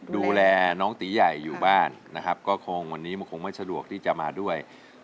ดูแลน้องตีใหญ่อยู่บ้านนะครับก็คงวันนี้มันคงไม่สะดวกที่จะมาด้วย